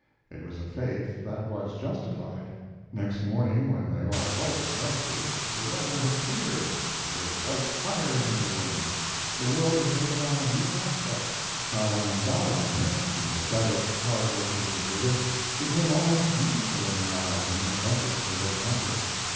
It was a faith that was justified. Next morning, when they all woke, rested, the weather had cleared, there were bright fires in the rooms, the world had taken on a new aspect. Fraulein Dahlweiner, the pathetic, hard working little figure, became almost beautiful in their eyes in her efforts for their comfort.